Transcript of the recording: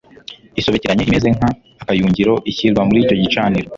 isobekeranye imeze nk akayungiro ishyirwa muri icyo gicaniro